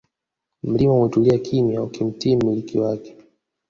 Mlima umetulia kimya ukimtii mmiliki wake